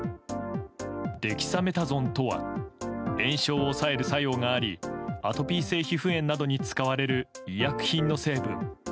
デキサメタゾンとは炎症を抑える作用がありアトピー性皮膚炎などに使われる医薬品の成分。